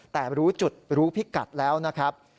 แต่รู้จุดรู้พิกัดแล้วนะครับ